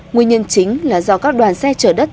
nguyên nhân chính là do các đoàn xe chở đất